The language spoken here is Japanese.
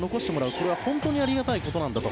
これは本当にありがたいことなんだと。